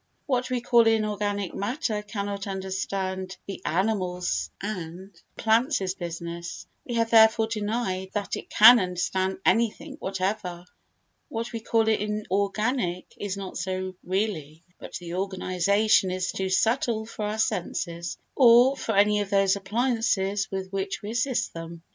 What we call inorganic matter cannot understand the animals' and plants' business, we have therefore denied that it can understand anything whatever. What we call inorganic is not so really, but the organisation is too subtle for our senses or for any of those appliances with which we assist them.